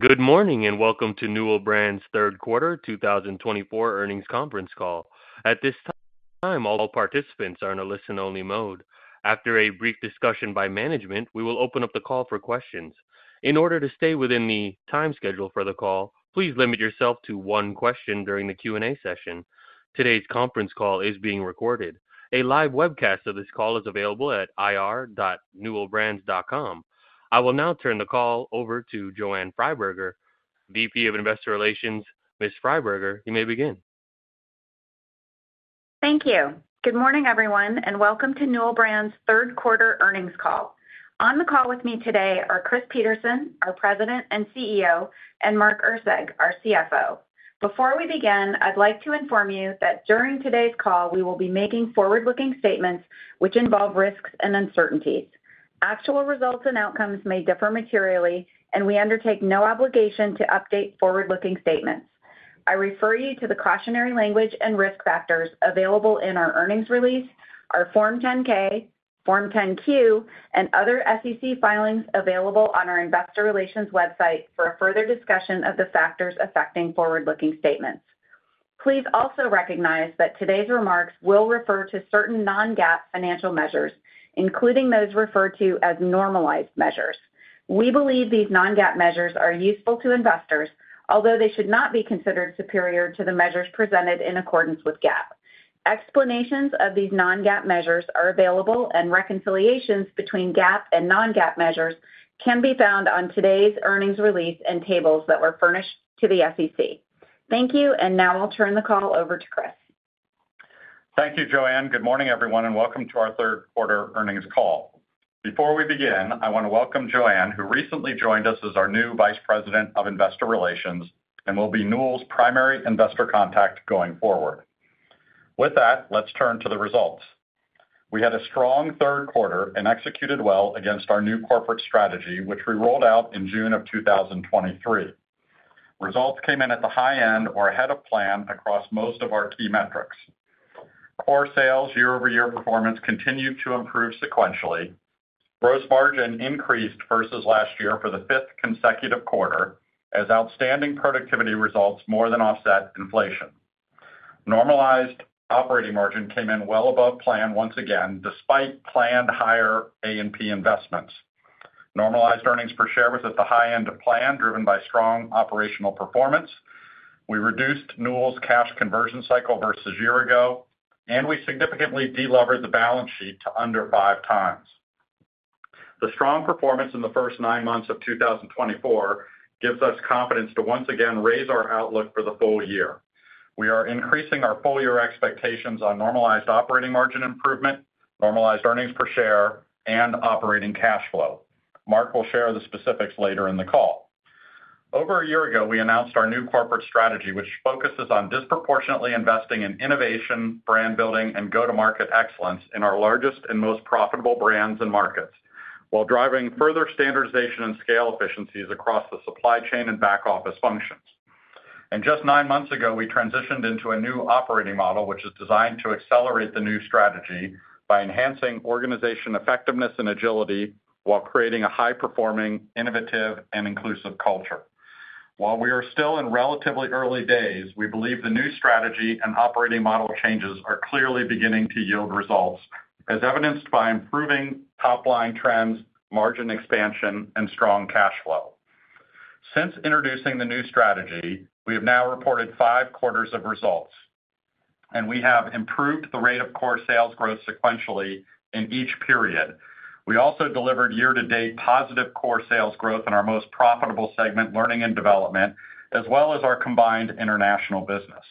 Good morning, and welcome to Newell Brands' third quarter 2024 earnings conference call. At this time, all participants are in a listen-only mode. After a brief discussion by management, we will open up the call for questions. In order to stay within the time schedule for the call, please limit yourself to one question during the Q&A session. Today's conference call is being recorded. A live webcast of this call is available at ir.newellbrands.com. I will now turn the call over to Joanne Freiberger, VP of Investor Relations. Ms. Freiberger, you may begin. Thank you. Good morning, everyone, and welcome to Newell Brands' third quarter earnings call. On the call with me today are Chris Peterson, our President and CEO, and Mark Erceg, our CFO. Before we begin, I'd like to inform you that during today's call, we will be making forward-looking statements which involve risks and uncertainties. Actual results and outcomes may differ materially, and we undertake no obligation to update forward-looking statements. I refer you to the cautionary language and risk factors available in our earnings release, our Form 10-K, Form 10-Q, and other SEC filings available on our investor relations website for a further discussion of the factors affecting forward-looking statements. Please also recognize that today's remarks will refer to certain non-GAAP financial measures, including those referred to as normalized measures. We believe these non-GAAP measures are useful to investors, although they should not be considered superior to the measures presented in accordance with GAAP. Explanations of these non-GAAP measures are available, and reconciliations between GAAP and non-GAAP measures can be found on today's earnings release and tables that were furnished to the SEC. Thank you, and now I'll turn the call over to Chris. Thank you, Joanne. Good morning, everyone, and welcome to our third quarter earnings call. Before we begin, I wanna welcome Joanne, who recently joined us as our new Vice President of Investor Relations and will be Newell's primary investor contact going forward. With that, let's turn to the results. We had a strong third quarter and executed well against our new corporate strategy, which we rolled out in June of 2023. Results came in at the high end or ahead of plan across most of our key metrics. Core sales year-over-year performance continued to improve sequentially. Gross margin increased versus last year for the fifth consecutive quarter, as outstanding productivity results more than offset inflation. Normalized operating margin came in well above plan once again, despite planned higher A&P investments. Normalized earnings per share was at the high end of plan, driven by strong operational performance. We reduced Newell's cash conversion cycle versus year ago, and we significantly delevered the balance sheet to under five times. The strong performance in the first nine months of 2025 gives us confidence to once again raise our outlook for the full year. We are increasing our full year expectations on normalized operating margin improvement, normalized earnings per share, and operating cash flow. Mark will share the specifics later in the call. Over a year ago, we announced our new corporate strategy, which focuses on disproportionately investing in innovation, brand building, and go-to-market excellence in our largest and most profitable brands and markets, while driving further standardization and scale efficiencies across the supply chain and back-office functions. Just nine months ago, we transitioned into a new operating model, which is designed to accelerate the new strategy by enhancing organization effectiveness and agility while creating a high-performing, innovative, and inclusive culture. While we are still in relatively early days, we believe the new strategy and operating model changes are clearly beginning to yield results, as evidenced by improving top-line trends, margin expansion, and strong cash flow. Since introducing the new strategy, we have now reported five quarters of results, and we have improved the rate of core sales growth sequentially in each period. We also delivered year-to-date positive core sales growth in our most profitable segment, learning and development, as well as our combined international business.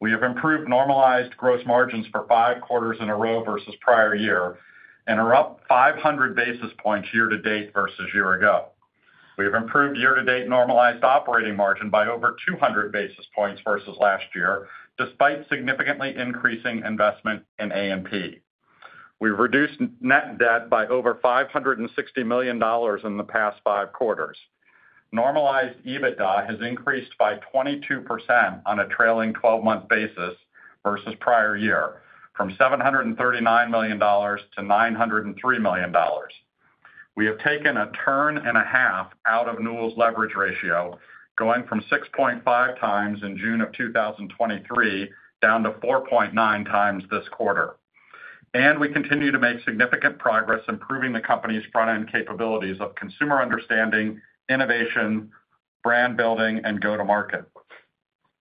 We have improved normalized gross margins for five quarters in a row versus prior year and are up five hundred basis points year to date versus year ago. We have improved year-to-date normalized operating margin by over 200 basis points versus last year, despite significantly increasing investment in A&P. We've reduced net debt by over $560 million in the past five quarters. Normalized EBITDA has increased by 22% on a trailing 12-month basis versus prior year, from $739 million to $903 million. We have taken a turn and a half out of Newell's leverage ratio, going from 6.5x in June of 2023 down to 4.9x times this quarter, and we continue to make significant progress improving the company's front-end capabilities of consumer understanding, innovation, brand building, and go-to-market.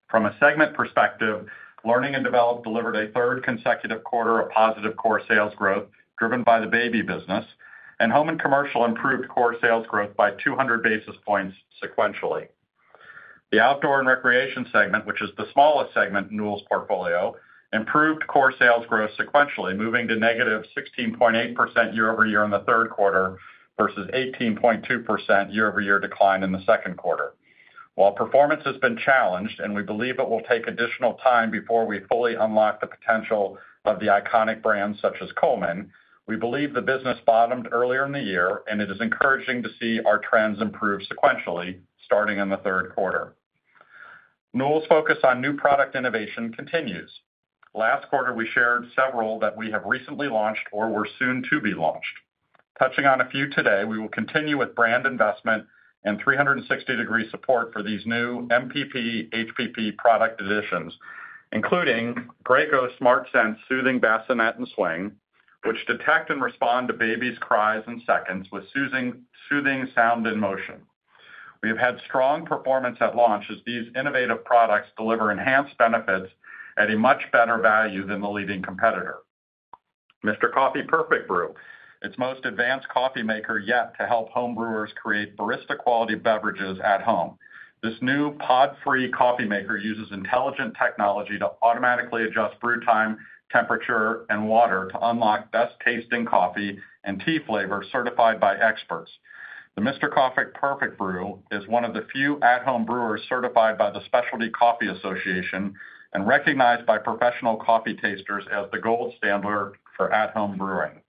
From a segment perspective, Learning and Development delivered a third consecutive quarter of positive core sales growth, driven by the baby business, and Home and Commercial improved core sales growth by 200 basis points sequentially. The Outdoor and Recreation segment, which is the smallest segment in Newell's portfolio, improved core sales growth sequentially, moving to negative 16.8% year over year in the third quarter versus 18.2% year over year decline in the second quarter. While performance has been challenged, and we believe it will take additional time before we fully unlock the potential of the iconic brands such as Coleman, we believe the business bottomed earlier in the year, and it is encouraging to see our trends improve sequentially starting in the third quarter.... Newell's focus on new product innovation continues. Last quarter, we shared several that we have recently launched or were soon to be launched. Touching on a few today, we will continue with brand investment and 360-degree support for these new MPP, HPP product additions, including Graco SmartSense Soothing Bassinet and Swing, which detect and respond to babies' cries in seconds with soothing, soothing sound and motion. We have had strong performance at launch as these innovative products deliver enhanced benefits at a much better value than the leading competitor. Mr. Coffee Perfect Brew, its most advanced coffee maker yet to help home brewers create barista-quality beverages at home. This new pod-free coffee maker uses intelligent technology to automatically adjust brew time, temperature, and water to unlock best-tasting coffee and tea flavor certified by experts. The Mr. Coffee Perfect Brew is one of the few at-home brewers certified by the Specialty Coffee Association and recognized by professional coffee tasters as the gold standard for at-home brewing.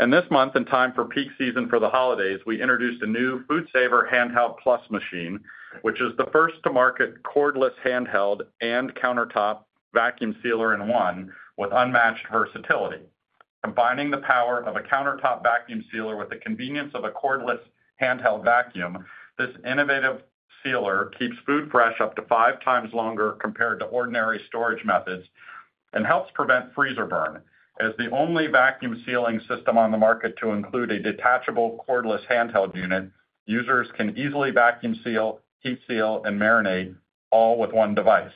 And this month, in time for peak season for the holidays, we introduced a new FoodSaver Handheld+ machine, which is the first to market cordless handheld and countertop vacuum sealer in one with unmatched versatility. Combining the power of a countertop vacuum sealer with the convenience of a cordless handheld vacuum, this innovative sealer keeps food fresh up to five times longer compared to ordinary storage methods and helps prevent freezer burn. As the only vacuum sealing system on the market to include a detachable cordless handheld unit, users can easily vacuum seal, heat seal, and marinate, all with one device.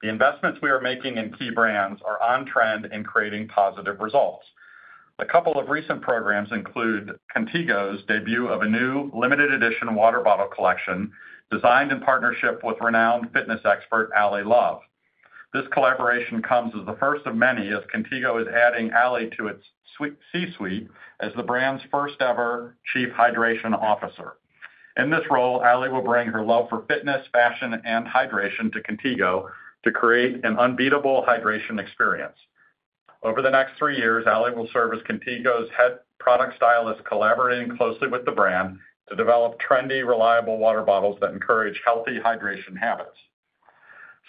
The investments we are making in key brands are on trend in creating positive results. A couple of recent programs include Contigo's debut of a new limited edition water bottle collection, designed in partnership with renowned fitness expert, Ally Love. This collaboration comes as the first of many, as Contigo is adding Ally to its C-suite as the brand's first-ever Chief Hydration Officer. In this role, Ally will bring her love for fitness, fashion, and hydration to Contigo to create an unbeatable hydration experience. Over the next three years, Ally will serve as Contigo's head product stylist, collaborating closely with the brand to develop trendy, reliable water bottles that encourage healthy hydration habits.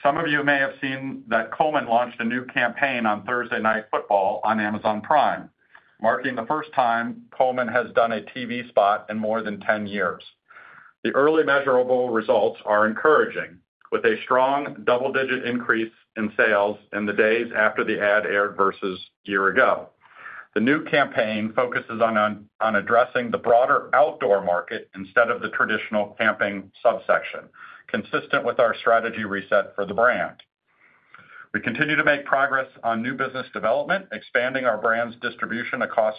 Some of you may have seen that Coleman launched a new campaign on Thursday Night Football on Amazon Prime, marking the first time Coleman has done a TV spot in more than 10 years. The early measurable results are encouraging, with a strong double-digit increase in sales in the days after the ad aired versus a year ago. The new campaign focuses on addressing the broader outdoor market instead of the traditional camping subsection, consistent with our strategy reset for the brand. We continue to make progress on new business development, expanding our brand's distribution across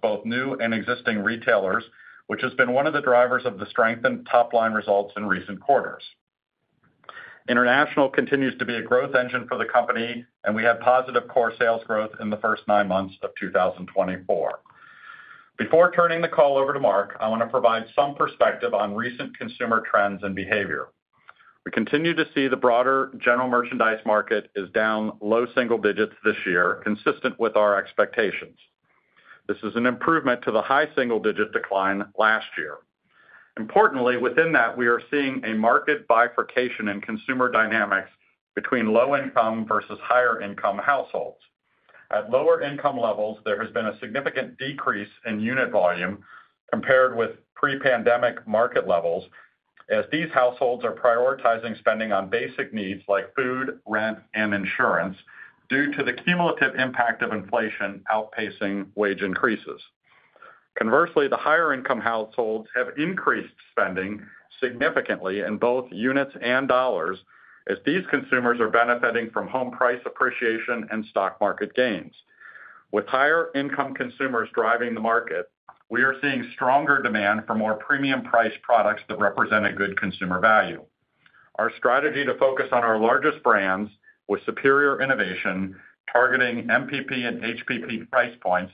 both new and existing retailers, which has been one of the drivers of the strength and top-line results in recent quarters. International continues to be a growth engine for the company, and we have positive core sales growth in the first nine months of two thousand and twenty-four. Before turning the call over to Mark, I want to provide some perspective on recent consumer trends and behavior. We continue to see the broader general merchandise market is down low single digits this year, consistent with our expectations. This is an improvement to the high single-digit decline last year. Importantly, within that, we are seeing a market bifurcation in consumer dynamics between low-income versus higher-income households. At lower income levels, there has been a significant decrease in unit volume compared with pre-pandemic market levels, as these households are prioritizing spending on basic needs like food, rent, and insurance due to the cumulative impact of inflation outpacing wage increases. Conversely, the higher-income households have increased spending significantly in both units and dollars, as these consumers are benefiting from home price appreciation and stock market gains. With higher-income consumers driving the market, we are seeing stronger demand for more premium priced products that represent a good consumer value. Our strategy to focus on our largest brands with superior innovation, targeting MPP and HPP price points,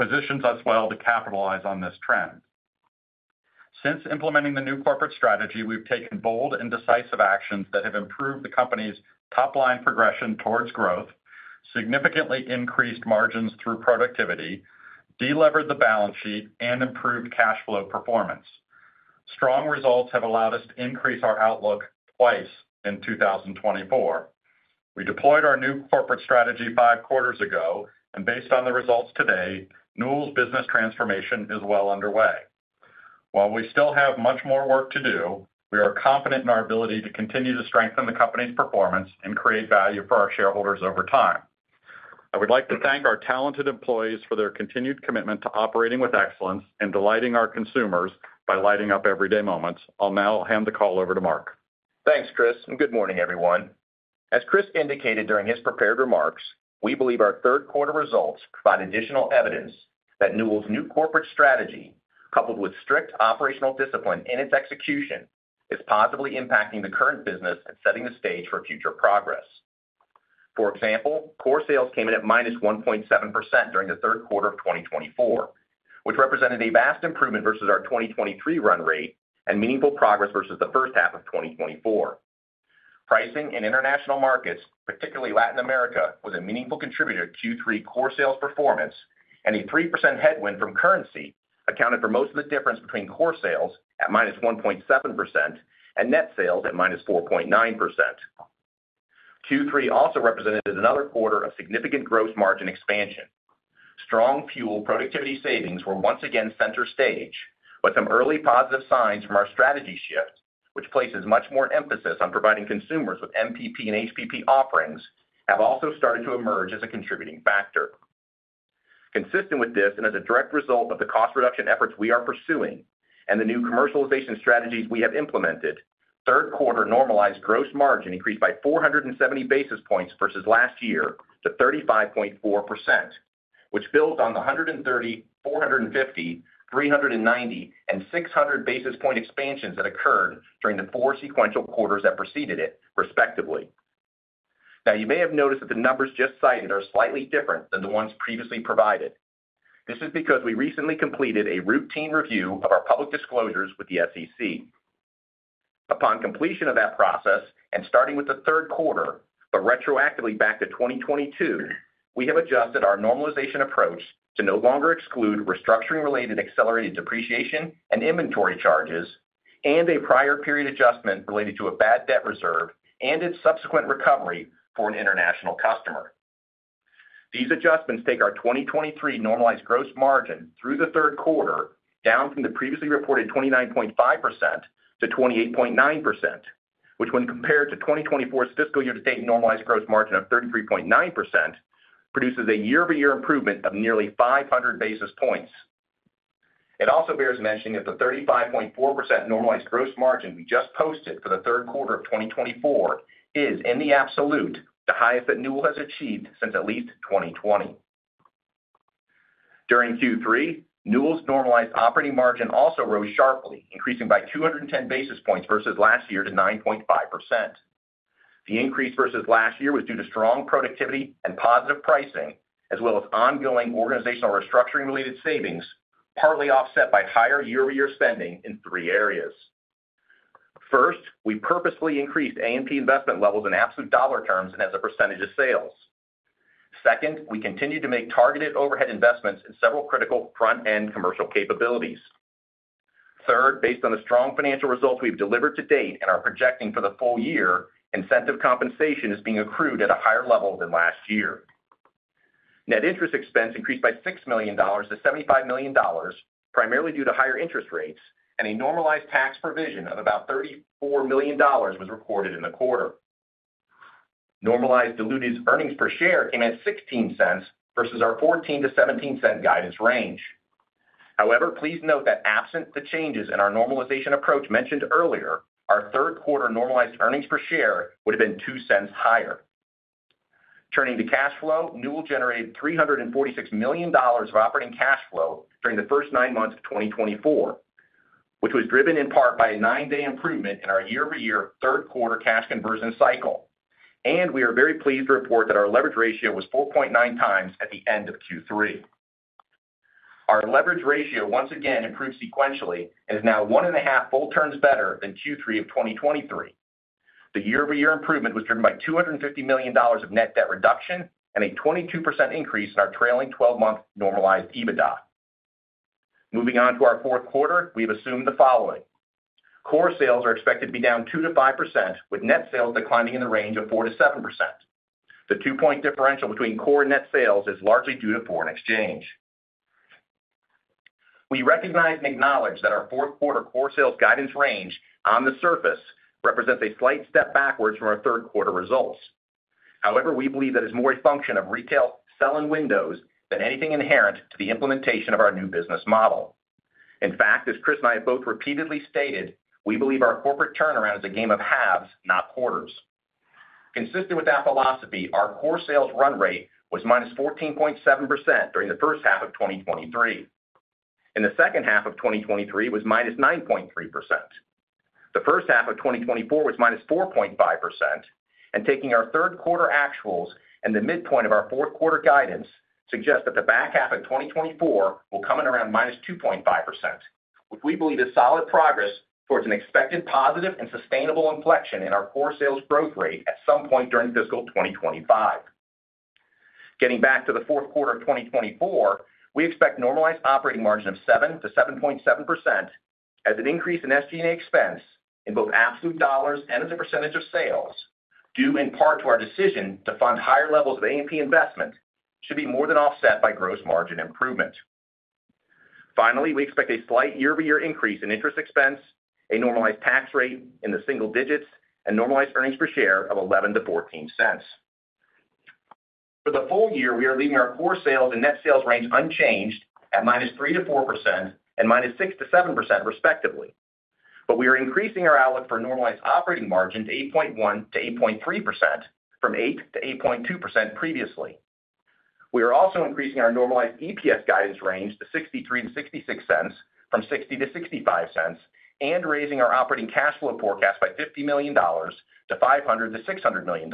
positions us well to capitalize on this trend. Since implementing the new corporate strategy, we've taken bold and decisive actions that have improved the company's top-line progression towards growth, significantly increased margins through productivity, delevered the balance sheet, and improved cash flow performance. Strong results have allowed us to increase our outlook twice in 2024. We deployed our new corporate strategy five quarters ago, and based on the results today, Newell's business transformation is well underway. While we still have much more work to do, we are confident in our ability to continue to strengthen the company's performance and create value for our shareholders over time. I would like to thank our talented employees for their continued commitment to operating with excellence and delighting our consumers by lighting up everyday moments. I'll now hand the call over to Mark. Thanks, Chris, and good morning, everyone. As Chris indicated during his prepared remarks, we believe our third quarter results provide additional evidence that Newell's new corporate strategy, coupled with strict operational discipline in its execution, is positively impacting the current business and setting the stage for future progress. For example, core sales came in at -1.7% during the third quarter of 2024, which represented a vast improvement versus our 2023 run rate and meaningful progress versus the first half of 2024. Pricing in international markets, particularly Latin America, was a meaningful contributor to Q3 core sales performance, and a 3% headwind from currency accounted for most of the difference between core sales at -1.7% and net sales at -4.9%. Q3 also represented another quarter of significant gross margin expansion. Strong fuel productivity savings were once again center stage, with some early positive signs from our strategy shift, which places much more emphasis on providing consumers with MPP and HPP offerings, have also started to emerge as a contributing factor. Consistent with this, and as a direct result of the cost reduction efforts we are pursuing and the new commercialization strategies we have implemented, third quarter normalized gross margin increased by 470 basis points versus last year to 35.4%, which builds on the 130, 450, 390, and 600 basis point expansions that occurred during the four sequential quarters that preceded it, respectively. Now, you may have noticed that the numbers just cited are slightly different than the ones previously provided. This is because we recently completed a routine review of our public disclosures with the SEC. Upon completion of that process, and starting with the third quarter, but retroactively back to 2022, we have adjusted our normalization approach to no longer exclude restructuring-related accelerated depreciation and inventory charges, and a prior period adjustment related to a bad debt reserve and its subsequent recovery for an international customer. These adjustments take our 2023 normalized gross margin through the third quarter, down from the previously reported 29.5% to 28.9%, which when compared to 2024's fiscal year to date normalized gross margin of 33.9%, produces a year-over-year improvement of nearly 500 basis points. It also bears mentioning that the 35.4% normalized gross margin we just posted for the third quarter of 2024 is, in the absolute, the highest that Newell has achieved since at least 2020. During Q3, Newell's normalized operating margin also rose sharply, increasing by 210 basis points versus last year to 9.5%. The increase versus last year was due to strong productivity and positive pricing, as well as ongoing organizational restructuring related savings, partly offset by higher year-over-year spending in three areas. First, we purposefully increased A&P investment levels in absolute dollar terms and as a percentage of sales. Second, we continued to make targeted overhead investments in several critical front-end commercial capabilities. Third, based on the strong financial results we've delivered to date and are projecting for the full year, incentive compensation is being accrued at a higher level than last year. Net interest expense increased by $60 million to $75 million, primarily due to higher interest rates, and a normalized tax provision of about $34 million was recorded in the quarter. Normalized diluted earnings per share came at $0.16 versus our $0.14-$0.17 guidance range. However, please note that absent the changes in our normalization approach mentioned earlier, our third quarter normalized earnings per share would have been $0.02 higher. Turning to cash flow, Newell generated $346 million of operating cash flow during the first nine months of 2024, which was driven in part by a 9-day improvement in our year-over-year third quarter cash conversion cycle. We are very pleased to report that our leverage ratio was 4.9x at the end of Q3. Our leverage ratio once again improved sequentially and is now one and a half full turns better than Q3 of 2023. The year-over-year improvement was driven by $250 million of net debt reduction and a 22% increase in our trailing twelve-month normalized EBITDA. Moving on to our fourth quarter, we have assumed the following: core sales are expected to be down 2%-5%, with net sales declining in the range of 4%-7%. The two point differential between core and net sales is largely due to foreign exchange. We recognize and acknowledge that our fourth quarter core sales guidance range, on the surface, represents a slight step backwards from our third quarter results. However, we believe that is more a function of retail selling windows than anything inherent to the implementation of our new business model. In fact, as Chris and I have both repeatedly stated, we believe our corporate turnaround is a game of halves, not quarters. Consistent with that philosophy, our core sales run rate was -14.7% during the first half of 2023, and the second half of 2023 was -9.3%. The first half of 2024 was -4.5%, and taking our third quarter actuals and the midpoint of our fourth quarter guidance suggests that the back half of 2024 will come in around -2.5%, which we believe is solid progress towards an expected positive and sustainable inflection in our core sales growth rate at some point during fiscal 2025. Getting back to the fourth quarter of 2024, we expect normalized operating margin of 7%-7.7%, as an increase in SG&A expense in both absolute dollars and as a percentage of sales, due in part to our decision to fund higher levels of A&P investment, should be more than offset by gross margin improvement. Finally, we expect a slight year-over-year increase in interest expense, a normalized tax rate in the single digits, and normalized earnings per share of $0.11-$0.14. For the full year, we are leaving our core sales and net sales range unchanged at -3% to -4% and -6% to -7%, respectively. But we are increasing our outlook for normalized operating margin to 8.1%-8.3%, from 8%-8.2% previously. We are also increasing our normalized EPS guidance range to $0.63-$0.66 from $0.60-$0.65, and raising our operating cash flow forecast by $50 million to $500 million-$600 million.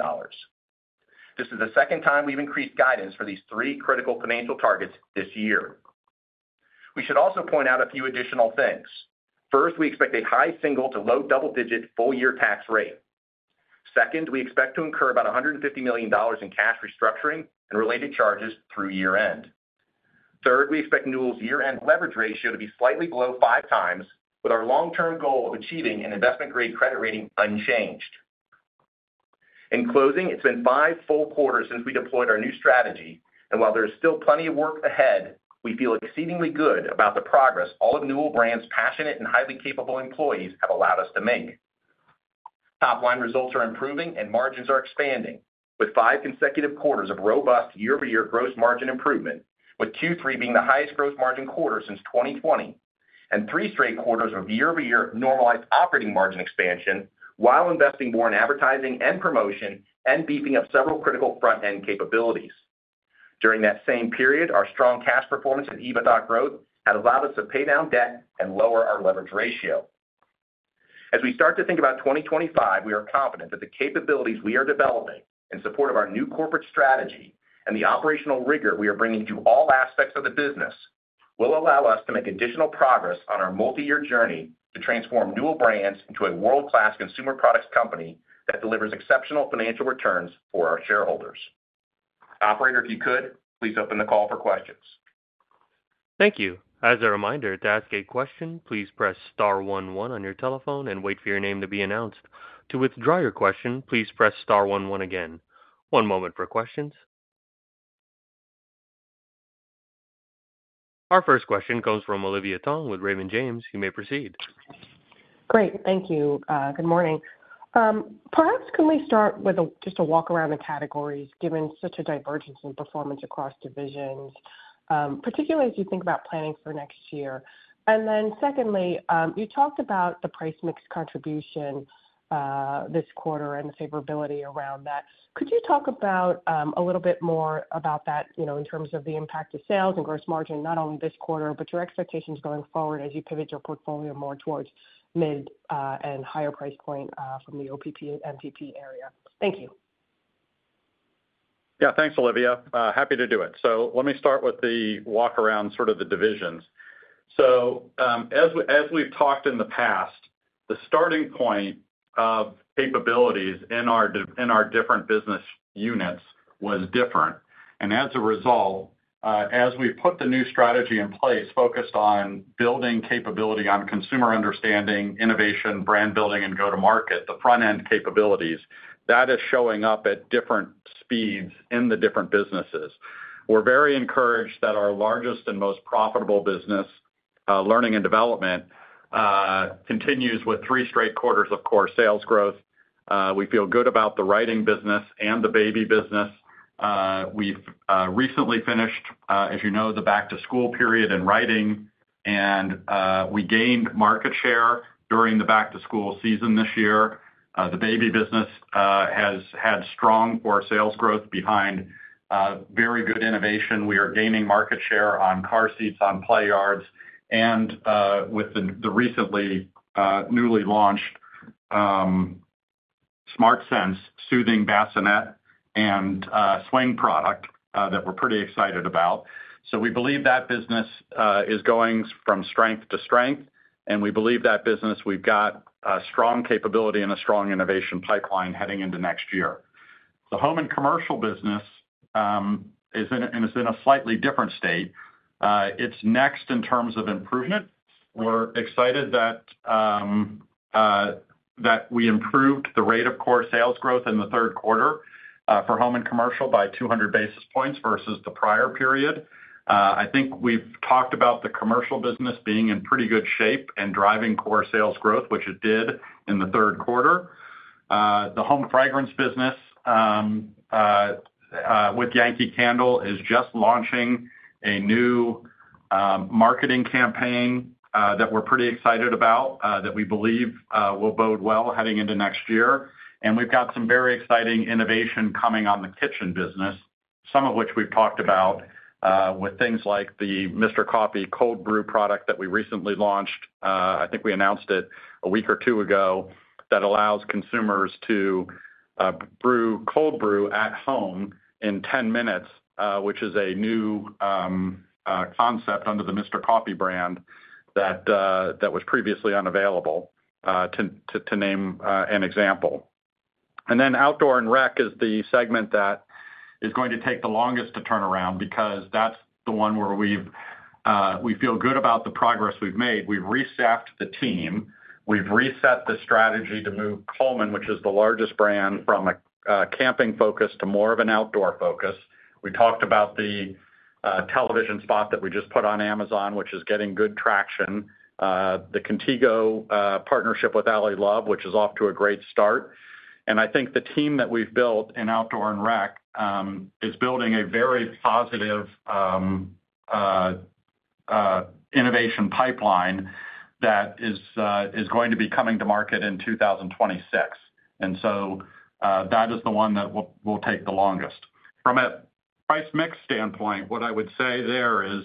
This is the second time we've increased guidance for these three critical financial targets this year.... We should also point out a few additional things. First, we expect a high single-digit to low double-digit full-year tax rate. Second, we expect to incur about $150 million in cash restructuring and related charges through year-end. Third, we expect Newell Brands' year-end leverage ratio to be slightly below 5x with our long-term goal of achieving an investment-grade credit rating unchanged. In closing, it's been five full quarters since we deployed our new strategy, and while there is still plenty of work ahead, we feel exceedingly good about the progress all of Newell Brands' passionate and highly capable employees have allowed us to make. Top line results are improving and margins are expanding, with five consecutive quarters of robust year-over-year gross margin improvement, with Q3 being the highest gross margin quarter since 2020, and three straight quarters of year-over-year normalized operating margin expansion, while investing more in advertising and promotion and beefing up several critical front-end capabilities. During that same period, our strong cash performance and EBITDA growth have allowed us to pay down debt and lower our leverage ratio. As we start to think about 2025, we are confident that the capabilities we are developing in support of our new corporate strategy and the operational rigor we are bringing to all aspects of the business, will allow us to make additional progress on our multiyear journey to transform Newell Brands into a world-class consumer products company that delivers exceptional financial returns for our shareholders. Operator, if you could, please open the call for questions. Thank you. As a reminder, to ask a question, please press star one one on your telephone and wait for your name to be announced. To withdraw your question, please press star one one again. One moment for questions. Our first question comes from Olivia Tong with Raymond James. You may proceed. Great, thank you. Good morning. Perhaps can we start with just a walk around the categories, given such a divergence in performance across divisions, particularly as you think about planning for next year? And then secondly, you talked about the price mix contribution this quarter and the favorability around that. Could you talk about a little bit more about that, you know, in terms of the impact to sales and gross margin, not only this quarter, but your expectations going forward as you pivot your portfolio more towards mid and higher price point from the OPP and MPP area? Thank you. Yeah, thanks, Olivia. Happy to do it. So let me start with the walk around, sort of the divisions. So, as we, as we've talked in the past, the starting point of capabilities in our different business units was different. And as a result, as we put the new strategy in place, focused on building capability on consumer understanding, innovation, brand building, and go-to-market, the front-end capabilities, that is showing up at different speeds in the different businesses. We're very encouraged that our largest and most profitable business, learning and development, continues with three straight quarters of core sales growth. We feel good about the writing business and the baby business. We've recently finished, as you know, the back-to-school period in writing, and we gained market share during the back-to-school season this year. The baby business has had strong core sales growth behind very good innovation. We are gaining market share on car seats, on play yards, and with the recently newly launched SmartSense Soothing Bassinet and swing product that we're pretty excited about. So we believe that business is going from strength to strength, and we believe that business, we've got a strong capability and a strong innovation pipeline heading into next year. The home and commercial business is in a slightly different state. It's next in terms of improvement. We're excited that we improved the rate of core sales growth in the third quarter for home and commercial by 200 basis points versus the prior period. I think we've talked about the commercial business being in pretty good shape and driving core sales growth, which it did in the third quarter. The home fragrance business, with Yankee Candle, is just launching a new marketing campaign, that we're pretty excited about, that we believe will bode well heading into next year. And we've got some very exciting innovation coming on the kitchen business, some of which we've talked about, with things like the Mr. Coffee Cold Brew product that we recently launched, I think we announced it a week or two ago, that allows consumers to brew cold brew at home in ten minutes, which is a new concept under the Mr. Coffee brand that was previously unavailable, to name an example. And then Outdoor and Rec is the segment that is going to take the longest to turn around because that's the one where we've, we feel good about the progress we've made. We've restaffed the team. We've reset the strategy to move Coleman, which is the largest brand, from a camping focus to more of an outdoor focus. We talked about the television spot that we just put on Amazon, which is getting good traction, the Contigo partnership with Ally Love, which is off to a great start. And I think the team that we've built in Outdoor and Rec is building a very positive innovation pipeline that is going to be coming to market in 2026. And so, that is the one that will take the longest. From a price mix standpoint, what I would say there is,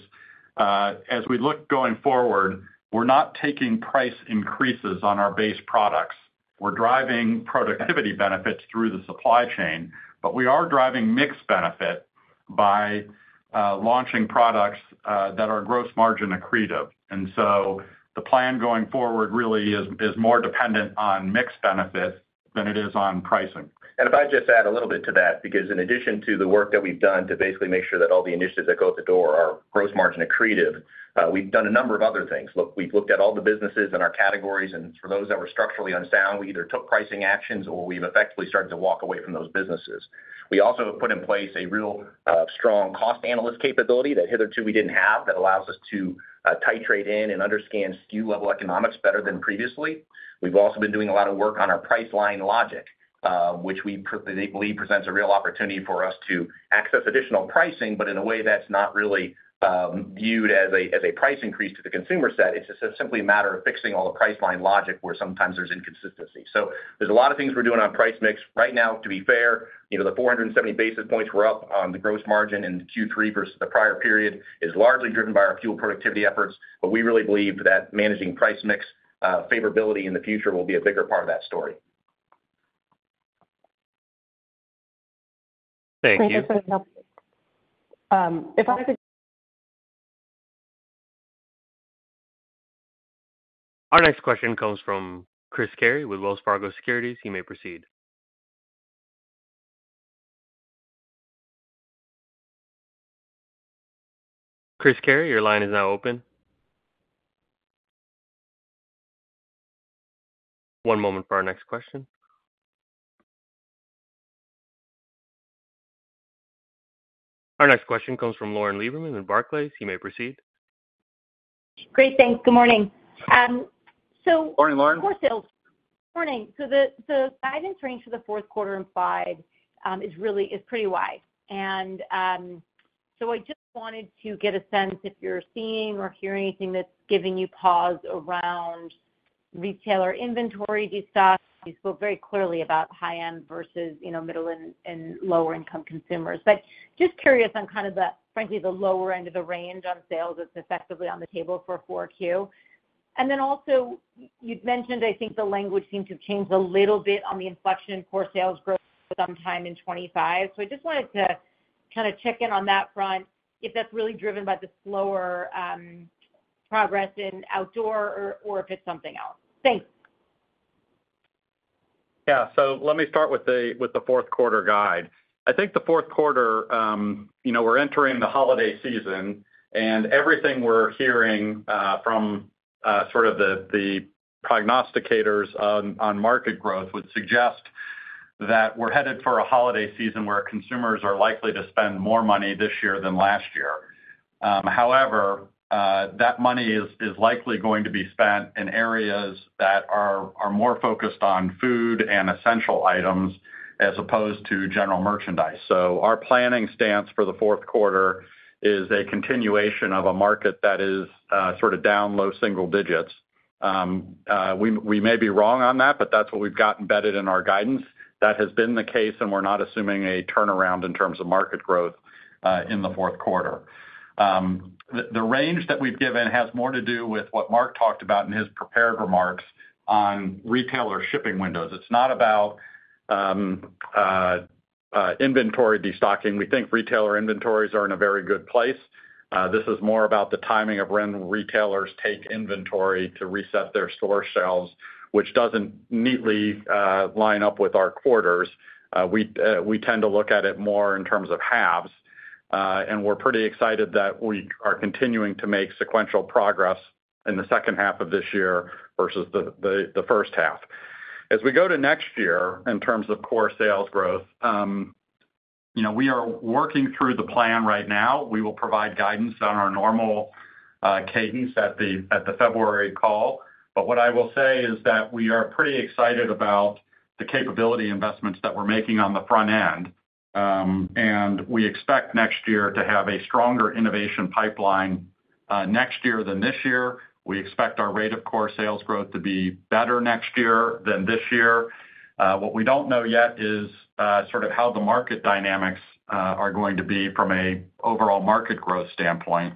as we look going forward, we're not taking price increases on our base products. We're driving productivity benefits through the supply chain, but we are driving mix benefit by launching products that are gross margin accretive. And so the plan going forward really is more dependent on mix benefit than it is on pricing. And if I just add a little bit to that, because in addition to the work that we've done to basically make sure that all the initiatives that go out the door are gross margin accretive, we've done a number of other things. Look, we've looked at all the businesses in our categories, and for those that were structurally unsound, we either took pricing actions or we've effectively started to walk away from those businesses. We also have put in place a real, strong cost analyst capability that hitherto we didn't have, that allows us to, titrate in and understand SKU-level economics better than previously. We've also been doing a lot of work on our price line logic, which we believe presents a real opportunity for us to access additional pricing, but in a way that's not really viewed as a price increase to the consumer set. It's just simply a matter of fixing all the price line logic, where sometimes there's inconsistency. So there's a lot of things we're doing on price mix. Right now, to be fair, you know, the 470 basis points we're up on the gross margin in Q3 versus the prior period is largely driven by our full productivity efforts, but we really believe that managing price mix favorability in the future will be a bigger part of that story. Thank you. If I could- Our next question comes from Chris Carey with Wells Fargo Securities. You may proceed. Chris Carey, your line is now open. One moment for our next question. Our next question comes from Lauren Lieberman with Barclays. You may proceed. Great, thanks. Good morning. Morning, Lauren. Core sales. Morning. So the guidance range for the fourth quarter in slide is pretty wide. And so I just wanted to get a sense if you're seeing or hearing anything that's giving you pause around retailer inventory destock. You spoke very clearly about high end versus, you know, middle and lower income consumers. But just curious on kind of, frankly, the lower end of the range on sales that's effectively on the table for 4Q. And then also you'd mentioned, I think, the language seemed to change a little bit on the inflection in core sales growth sometime in 2025. So I just wanted to kind of check in on that front, if that's really driven by the slower progress in outdoor or if it's something else. Thanks. Yeah. So let me start with the fourth quarter guide. I think the fourth quarter, you know, we're entering the holiday season, and everything we're hearing from sort of the prognosticators on market growth would suggest that we're headed for a holiday season where consumers are likely to spend more money this year than last year. However, that money is likely going to be spent in areas that are more focused on food and essential items as opposed to general merchandise. So our planning stance for the fourth quarter is a continuation of a market that is sort of down low single digits. We may be wrong on that, but that's what we've got embedded in our guidance. That has been the case, and we're not assuming a turnaround in terms of market growth in the fourth quarter. The range that we've given has more to do with what Mark talked about in his prepared remarks on retailer shipping windows. It's not about inventory destocking. We think retailer inventories are in a very good place. This is more about the timing of when retailers take inventory to reset their store shelves, which doesn't neatly line up with our quarters. We tend to look at it more in terms of halves, and we're pretty excited that we are continuing to make sequential progress in the second half of this year versus the first half. As we go to next year, in terms of core sales growth, you know, we are working through the plan right now. We will provide guidance on our normal cadence at the February call. But what I will say is that we are pretty excited about the capability investments that we're making on the front end, and we expect next year to have a stronger innovation pipeline next year than this year. We expect our rate of core sales growth to be better next year than this year. What we don't know yet is sort of how the market dynamics are going to be from an overall market growth standpoint.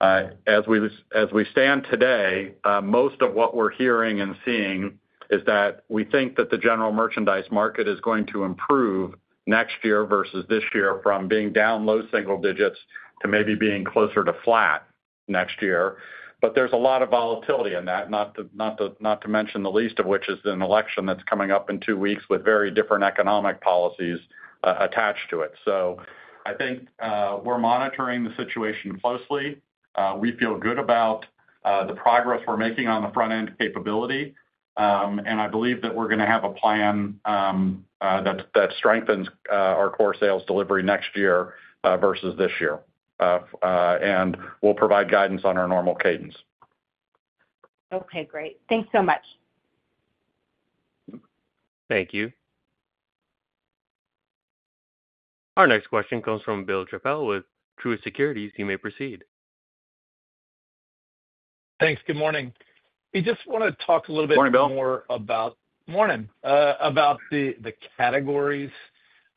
As we stand today, most of what we're hearing and seeing is that we think that the general merchandise market is going to improve next year versus this year, from being down low single digits to maybe being closer to flat next year, but there's a lot of volatility in that, not to mention, the least of which is an election that's coming up in two weeks with very different economic policies attached to it, so I think we're monitoring the situation closely. We feel good about the progress we're making on the front end capability, and I believe that we're gonna have a plan that strengthens our core sales delivery next year versus this year, and we'll provide guidance on our normal cadence. Okay, great. Thanks so much. Thank you. Our next question comes from Bill Chappell with Truist Securities. You may proceed. Thanks. Good morning. I just wanna talk a little bit- Morning, Bill. Morning. About the categories.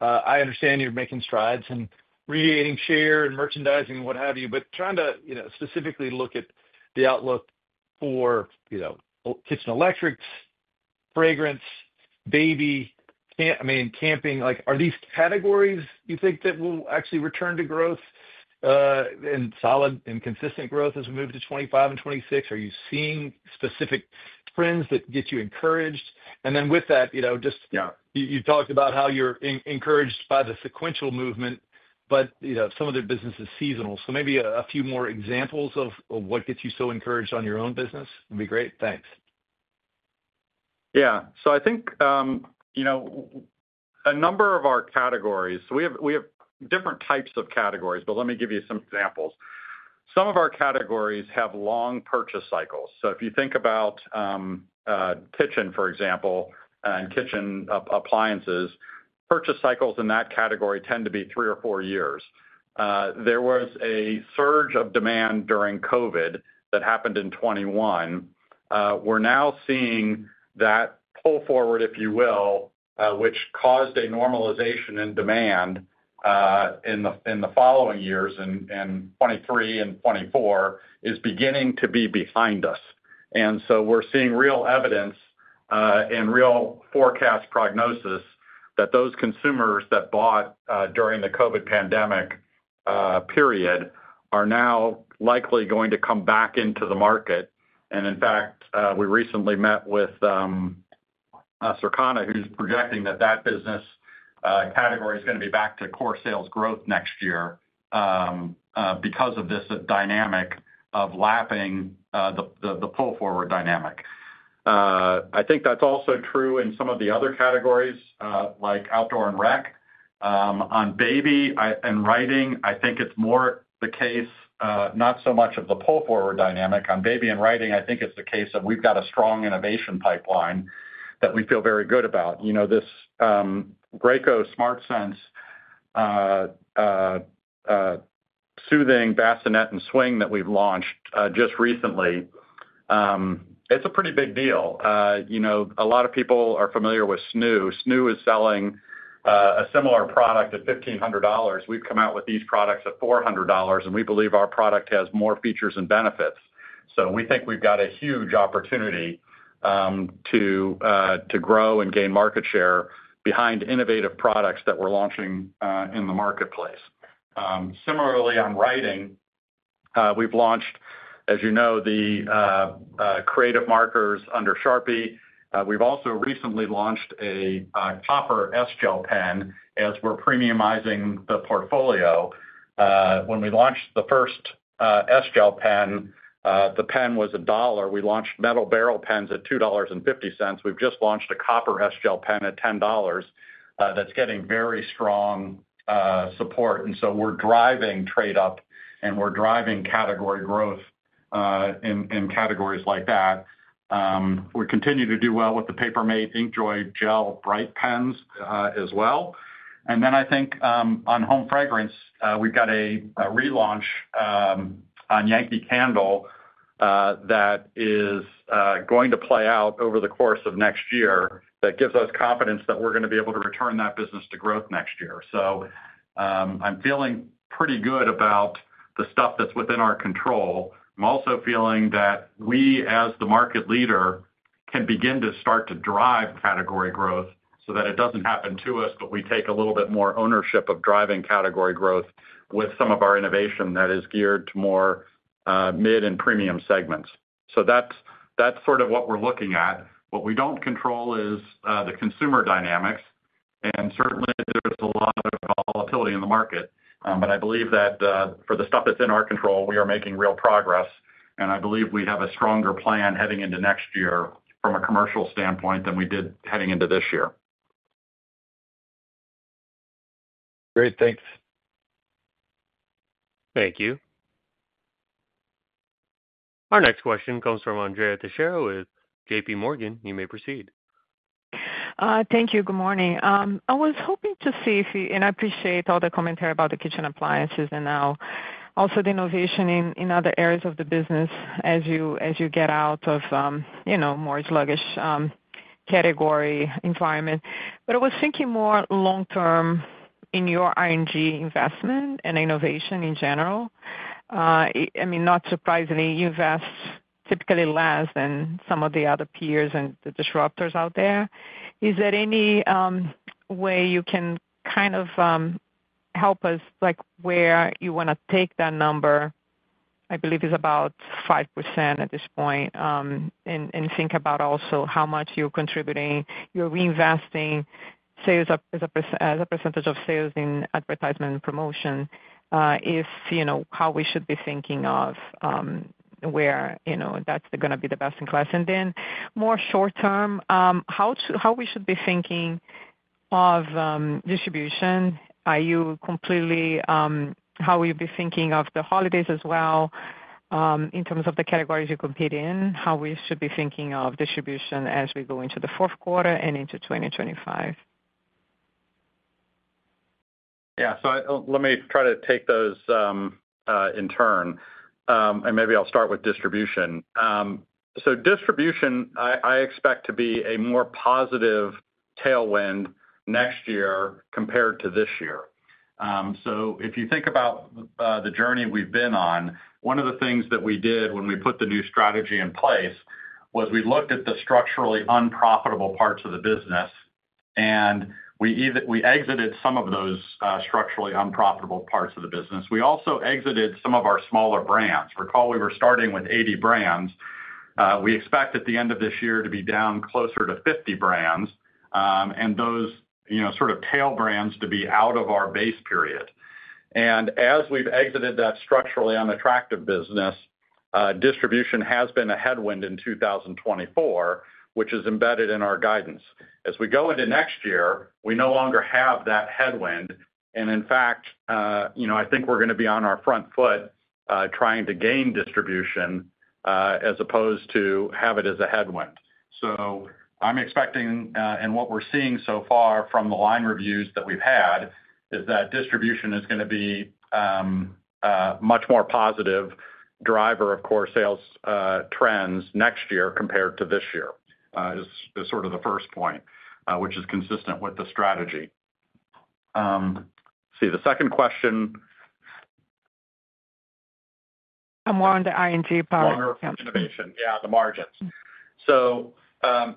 I understand you're making strides in regaining share and merchandising and what have you, but trying to, you know, specifically look at the outlook for, you know, kitchen electrics, fragrance, baby, camping, I mean, camping. Like, are these categories you think that will actually return to growth in solid and consistent growth as we move to 2025 and 2026? Are you seeing specific trends that get you encouraged? And then with that, you know, just- Yeah. You talked about how you're encouraged by the sequential movement, but, you know, some of the business is seasonal. So maybe a few more examples of what gets you so encouraged on your own business would be great. Thanks. Yeah. So I think, you know, a number of our categories. So we have different types of categories, but let me give you some examples. Some of our categories have long purchase cycles. So if you think about kitchen, for example, and kitchen appliances, purchase cycles in that category tend to be three or four years. There was a surge of demand during COVID that happened in 2021. We're now seeing that pull forward, if you will, which caused a normalization in demand in the following years, in 2023 and 2024, is beginning to be behind us. And so we're seeing real evidence and real forecast prognosis that those consumers that bought during the COVID pandemic period are now likely going to come back into the market. In fact, we recently met with Circana, who's projecting that that business category is gonna be back to core sales growth next year, because of this dynamic of lapping the pull forward dynamic. I think that's also true in some of the other categories, like outdoor and rec. On baby and writing, I think it's more the case, not so much of the pull forward dynamic. On baby and writing, I think it's the case of we've got a strong innovation pipeline that we feel very good about. You know, this Graco SmartSense Soothing Bassinet and Swing that we've launched just recently, it's a pretty big deal. You know, a lot of people are familiar with SNOO. SNOO is selling a similar product at $1,500. We've come out with these products at $400, and we believe our product has more features and benefits. So we think we've got a huge opportunity to grow and gain market share behind innovative products that we're launching in the marketplace. Similarly, on writing, we've launched, as you know, the Creative Markers under Sharpie. We've also recently launched a copper S-Gel pen as we're premiumizing the portfolio. When we launched the first S-Gel pen, the pen was $1. We launched metal barrel pens at $2.50. We've just launched a copper S-Gel pen at $10, that's getting very strong support. And so we're driving trade up, and we're driving category growth in categories like that. We continue to do well with the Paper Mate InkJoy Gel Bright pens, as well. And then I think, on home fragrance, we've got a relaunch on Yankee Candle that is going to play out over the course of next year, that gives us confidence that we're gonna be able to return that business to growth next year. So, I'm feeling pretty good about the stuff that's within our control. I'm also feeling that we, as the market leader, can begin to start to drive category growth so that it doesn't happen to us, but we take a little bit more ownership of driving category growth with some of our innovation that is geared to more mid and premium segments. So that's sort of what we're looking at. What we don't control is the consumer dynamics, and certainly there's a lot of volatility in the market, but I believe that for the stuff that's in our control, we are making real progress, and I believe we have a stronger plan heading into next year from a commercial standpoint than we did heading into this year. Great. Thanks. Thank you. Our next question comes from Andrea Teixeira with JPMorgan. You may proceed. Thank you. Good morning. I was hoping to see if you... And I appreciate all the commentary about the kitchen appliances and now also the innovation in other areas of the business as you get out of, you know, more sluggish category environment. But I was thinking more long term in your R&D investment and innovation in general. I mean, not surprisingly, you've invested typically less than some of the other peers and the disruptors out there. Is there any way you can kind of help us, like, where you wanna take that number? I believe it's about 5% at this point. And think about also how much you're reinvesting as a percentage of sales in advertisement and promotion, you know, how we should be thinking of where that's gonna be the best in class. And then, more short term, how should we be thinking of distribution? How will you be thinking of the holidays as well in terms of the categories you compete in? How we should be thinking of distribution as we go into the fourth quarter and into 2025? ... Yeah, so let me try to take those in turn. And maybe I'll start with distribution. So distribution, I expect to be a more positive tailwind next year compared to this year. So if you think about the journey we've been on, one of the things that we did when we put the new strategy in place, was we looked at the structurally unprofitable parts of the business, and we exited some of those structurally unprofitable parts of the business. We also exited some of our smaller brands. Recall, we were starting with eighty brands. We expect, at the end of this year, to be down closer to fifty brands, and those, you know, sort of tail brands to be out of our base period. And as we've exited that structurally unattractive business, distribution has been a headwind in 2024, which is embedded in our guidance. As we go into next year, we no longer have that headwind, and in fact, you know, I think we're gonna be on our front foot, trying to gain distribution, as opposed to have it as a headwind. So I'm expecting, and what we're seeing so far from the line reviews that we've had, is that distribution is gonna be a much more positive driver of core sales trends next year compared to this year, is sort of the first point, which is consistent with the strategy. Let's see, the second question? I'm more into A&P margin, yep. Innovation. Yeah, the margins. So,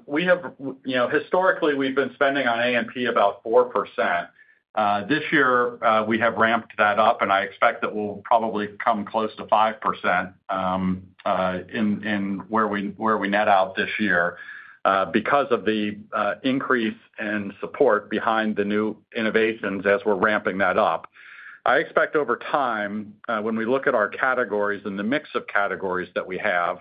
we have, you know, historically, we've been spending on A&P about 4%. This year, we have ramped that up, and I expect it will probably come close to 5%, in where we net out this year, because of the increase in support behind the new innovations as we're ramping that up. I expect over time, when we look at our categories and the mix of categories that we have,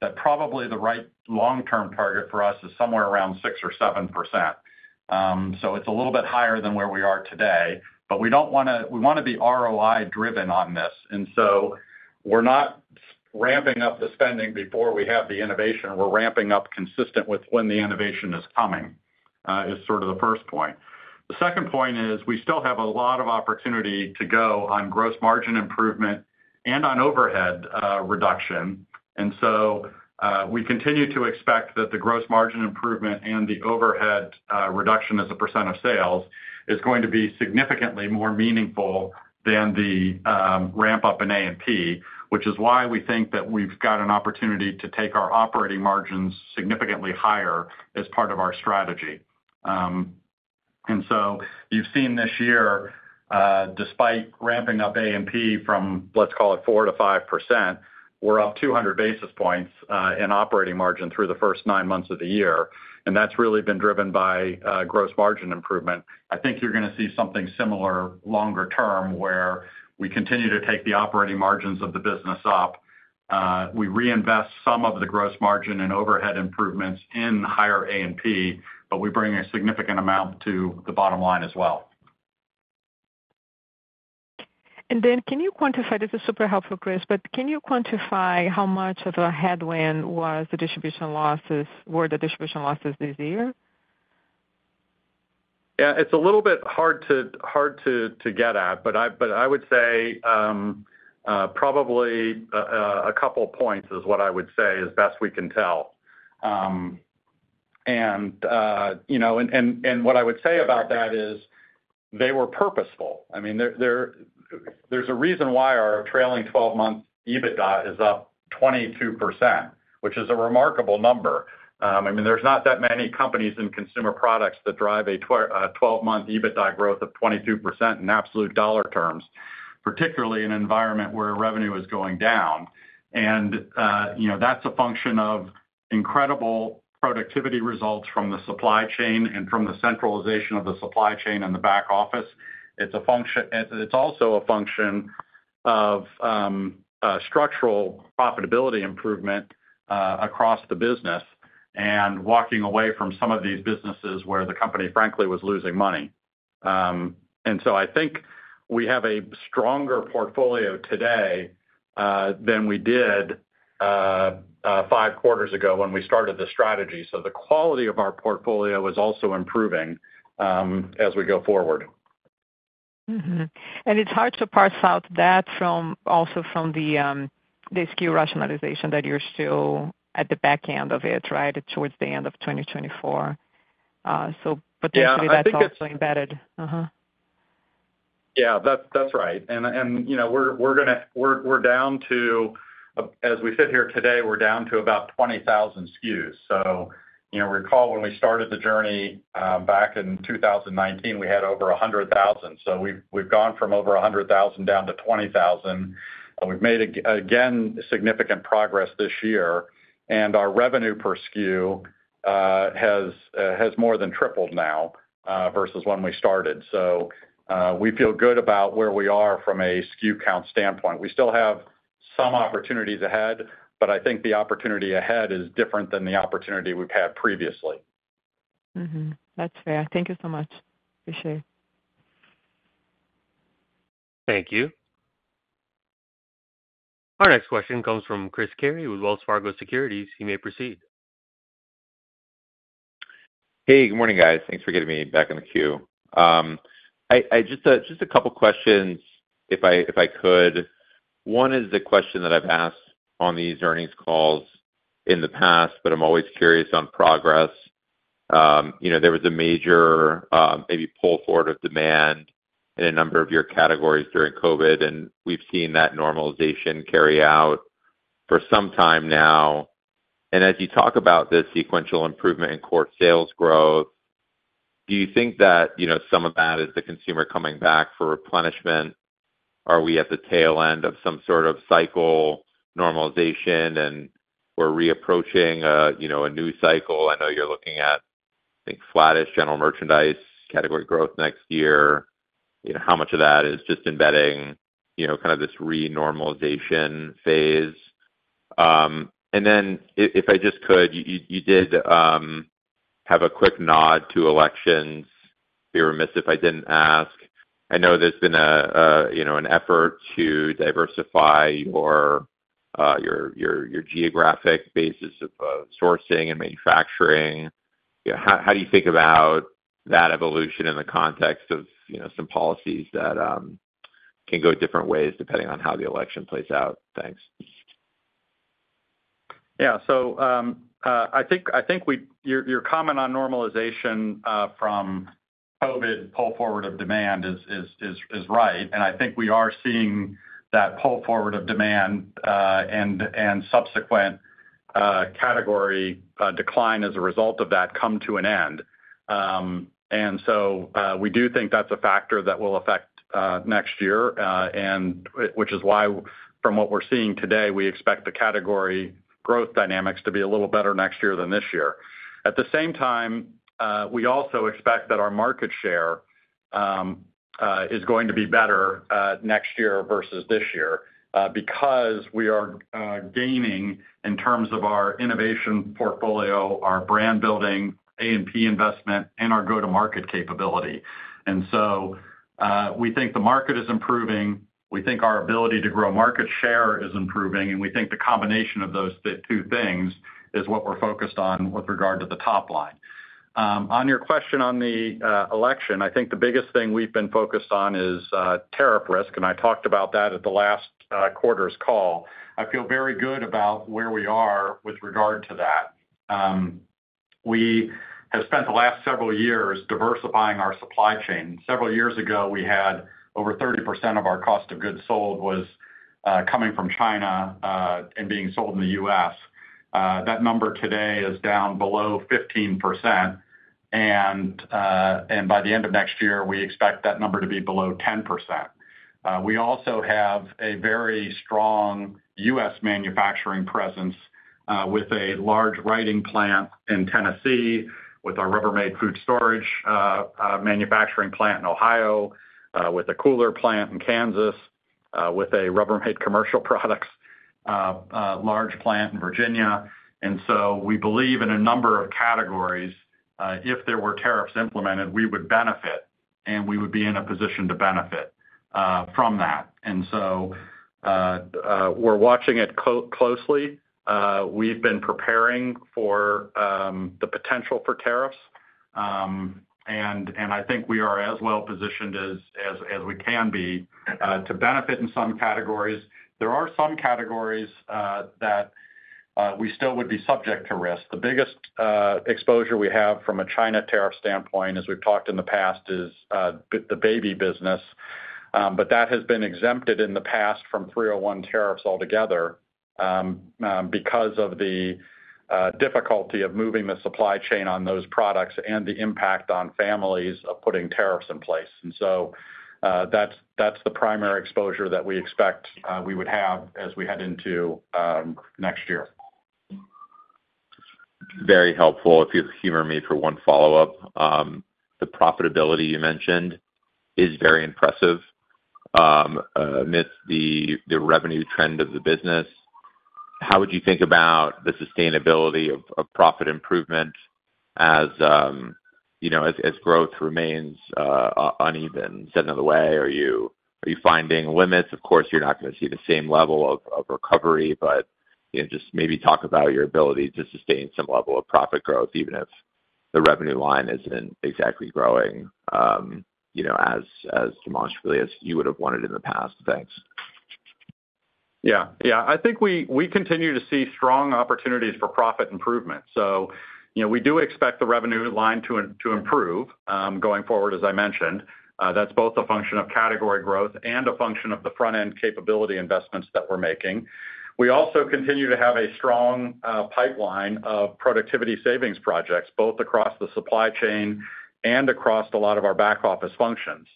that probably the right long-term target for us is somewhere around 6% or 7%. So it's a little bit higher than where we are today, but we don't wanna. We wanna be ROI driven on this, and so we're not ramping up the spending before we have the innovation. We're ramping up consistent with when the innovation is coming, is sort of the first point. The second point is we still have a lot of opportunity to go on gross margin improvement and on overhead, reduction. And so, we continue to expect that the gross margin improvement and the overhead, reduction as a percent of sales is going to be significantly more meaningful than the, ramp-up in A&P, which is why we think that we've got an opportunity to take our operating margins significantly higher as part of our strategy. And so you've seen this year, despite ramping up A&P from, let's call it, 4% to 5%, we're up 200 basis points, in operating margin through the first nine months of the year, and that's really been driven by, gross margin improvement. I think you're gonna see something similar longer term, where we continue to take the operating margins of the business up. We reinvest some of the gross margin and overhead improvements in higher A&P, but we bring a significant amount to the bottom line as well. And then can you quantify...? This is super helpful, Chris, but can you quantify how much of a headwind was the distribution losses this year? Yeah, it's a little bit hard to get at, but I would say probably a couple points is what I would say, as best we can tell. You know what I would say about that is they were purposeful. I mean, there's a reason why our trailing twelve-month EBITDA is up 22%, which is a remarkable number. I mean, there's not that many companies in consumer products that drive a twelve-month EBITDA growth of 22% in absolute dollar terms, particularly in an environment where revenue is going down. You know, that's a function of incredible productivity results from the supply chain and from the centralization of the supply chain and the back office. It's also a function of structural profitability improvement across the business, and walking away from some of these businesses where the company, frankly, was losing money. And so I think we have a stronger portfolio today than we did five quarters ago when we started this strategy. So the quality of our portfolio is also improving as we go forward. Mm-hmm, and it's hard to parse out that from, also from the SKU rationalization, that you're still at the back end of it, right? Towards the end of 2024. So- Yeah, I think it's- Potentially, that's also embedded. Uh-huh. Yeah, that's right. And you know, we're down to, as we sit here today, we're down to about 20,000 SKUs. So you know, recall when we started the journey, back in 2019, we had over 100,000. So we've gone from over 100,000 down to 20,000, and we've made, again, significant progress this year. And our revenue per SKU has more than tripled now versus when we started. So we feel good about where we are from a SKU count standpoint. We still have some opportunities ahead, but I think the opportunity ahead is different than the opportunity we've had previously. Mm-hmm. That's fair. Thank you so much. Appreciate it. Thank you. Our next question comes from Chris Carey with Wells Fargo Securities. You may proceed. Hey, good morning, guys. Thanks for getting me back in the queue. I just a couple questions if I could. One is the question that I've asked on these earnings calls in the past, but I'm always curious on progress. You know, there was a major, maybe pull forward of demand in a number of your categories during COVID, and we've seen that normalization carry out for some time now. As you talk about this sequential improvement in core sales growth, do you think that, you know, some of that is the consumer coming back for replenishment? Are we at the tail end of some sort of cycle normalization, and we're reapproaching a, you know, a new cycle? I know you're looking at, I think, flattish general merchandise category growth next year. You know, how much of that is just embedding, you know, kind of this renormalization phase? And then if I just could, you did have a quick nod to elections. Be remiss if I didn't ask. I know there's been a you know, an effort to diversify your geographic basis of sourcing and manufacturing. You know, how do you think about that evolution in the context of, you know, some policies that can go different ways depending on how the election plays out? Thanks. Yeah, so I think we-- your comment on normalization from COVID pull forward of demand is right, and I think we are seeing that pull forward of demand and subsequent category decline as a result of that come to an end, and so we do think that's a factor that will affect next year, and which is why, from what we're seeing today, we expect the category growth dynamics to be a little better next year than this year. At the same time, we also expect that our market share is going to be better next year versus this year because we are gaining in terms of our innovation portfolio, our brand building, A&P investment, and our go-to-market capability. And so, we think the market is improving, we think our ability to grow market share is improving, and we think the combination of those two things is what we're focused on with regard to the top line. On your question on the election, I think the biggest thing we've been focused on is tariff risk, and I talked about that at the last quarter's call. I feel very good about where we are with regard to that. We have spent the last several years diversifying our supply chain. Several years ago, we had over 30% of our cost of goods sold was coming from China and being sold in the U.S. That number today is down below 15%, and by the end of next year, we expect that number to be below 10%. We also have a very strong U.S. manufacturing presence, with a large writing plant in Tennessee, with our Rubbermaid Food Storage manufacturing plant in Ohio, with a cooler plant in Kansas, with a Rubbermaid Commercial Products large plant in Virginia, and so we believe in a number of categories, if there were tariffs implemented, we would benefit, and we would be in a position to benefit, from that, and so we're watching it closely. We've been preparing for the potential for tariffs, and I think we are as well positioned as we can be, to benefit in some categories. There are some categories that we still would be subject to risk. The biggest exposure we have from a China tariff standpoint, as we've talked in the past, is the baby business, but that has been exempted in the past from 301 tariffs altogether, because of the difficulty of moving the supply chain on those products and the impact on families of putting tariffs in place. And so, that's the primary exposure that we expect we would have as we head into next year. Very helpful. If you'd humor me for one follow-up, the profitability you mentioned is very impressive amidst the revenue trend of the business. How would you think about the sustainability of profit improvement as you know, as growth remains uneven? Said another way, are you finding limits? Of course, you're not going to see the same level of recovery, but you know, just maybe talk about your ability to sustain some level of profit growth, even if the revenue line isn't exactly growing, you know, as demonstrably as you would have wanted in the past. Thanks. Yeah. Yeah, I think we continue to see strong opportunities for profit improvement. So, you know, we do expect the revenue line to improve going forward, as I mentioned. That's both a function of category growth and a function of the front-end capability investments that we're making. We also continue to have a strong pipeline of productivity savings projects, both across the supply chain and across a lot of our back office functions.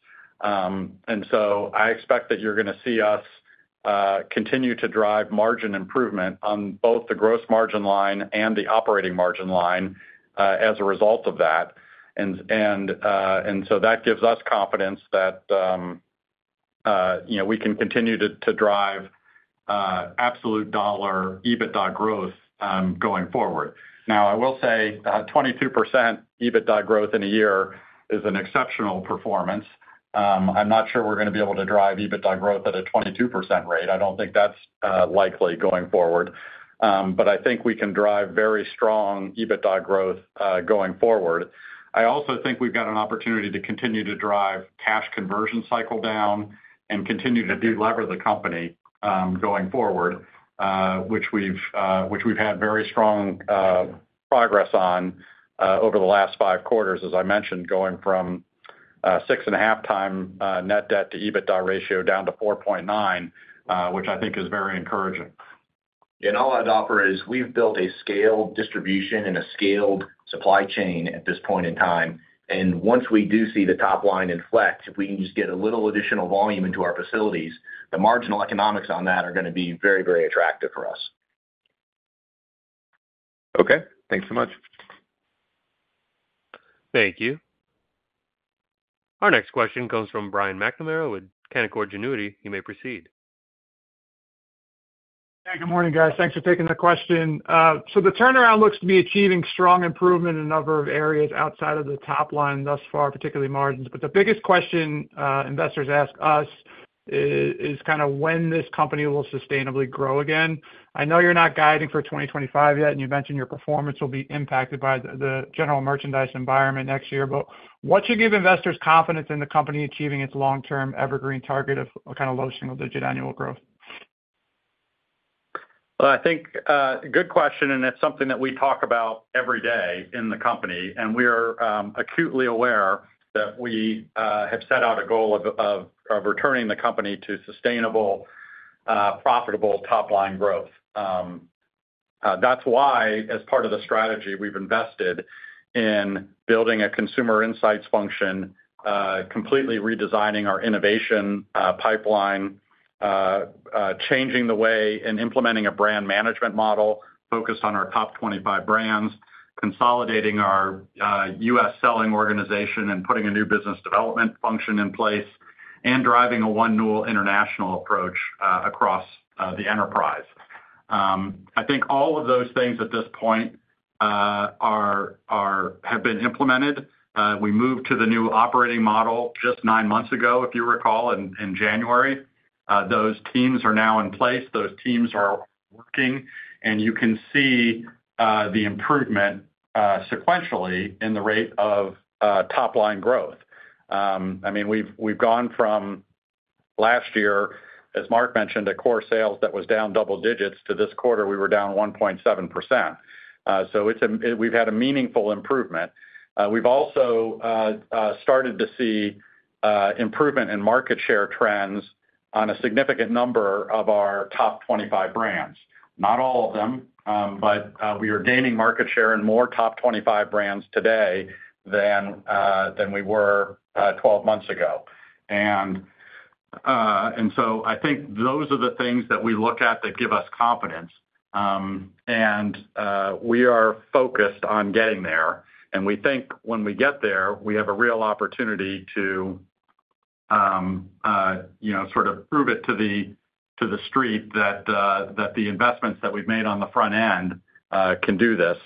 And so I expect that you're gonna see us continue to drive margin improvement on both the gross margin line and the operating margin line as a result of that. And so that gives us confidence that you know, we can continue to drive absolute dollar EBITDA growth going forward. Now, I will say, 22% EBITDA growth in a year is an exceptional performance. I'm not sure we're gonna be able to drive EBITDA growth at a 22% rate. I don't think that's likely going forward, but I think we can drive very strong EBITDA growth going forward. I also think we've got an opportunity to continue to drive cash conversion cycle down and continue to delever the company going forward, which we've had very strong progress on over the last five quarters, as I mentioned, going from 6.5 times net debt to EBITDA ratio down to 4.9, which I think is very encouraging. And all I'd offer is we've built a scaled distribution and a scaled supply chain at this point in time, and once we do see the top line inflect, if we can just get a little additional volume into our facilities, the marginal economics on that are gonna be very, very attractive for us. Okay, thanks so much. Thank you. Our next question comes from Brian McNamara with Canaccord Genuity. You may proceed. Hey, good morning, guys. Thanks for taking the question. So the turnaround looks to be achieving strong improvement in a number of areas outside of the top line thus far, particularly margins. But the biggest question investors ask us is kind of when this company will sustainably grow again. I know you're not guiding for 2025 yet, and you mentioned your performance will be impacted by the general merchandise environment next year, but what should give investors confidence in the company achieving its long-term evergreen target of a kind of low single-digit annual growth? I think, good question, and it's something that we talk about every day in the company, and we are acutely aware that we have set out a goal of returning the company to sustainable, profitable top-line growth. That's why, as part of the strategy, we've invested in building a consumer insights function, completely redesigning our innovation pipeline, changing the way and implementing a brand management model focused on our top twenty-five brands, consolidating our U.S. selling organization and putting a new business development function in place, and driving a one Newell International approach across the enterprise. I think all of those things at this point have been implemented. We moved to the new operating model just nine months ago, if you recall, in January. Those teams are now in place. Those teams are working, and you can see the improvement sequentially in the rate of top-line growth. I mean, we've gone from last year, as Mark mentioned, a core sales that was down double digits, to this quarter, we were down 1.7%. So we've had a meaningful improvement. We've also started to see improvement in market share trends on a significant number of our top 25 brands. Not all of them, but we are gaining market share in more top 25 brands today than we were 12 months ago. I think those are the things that we look at that give us confidence, and we are focused on getting there, and we think when we get there, we have a real opportunity to, you know, sort of prove it to the, to the street that, that the investments that we've made on the front end, can do this.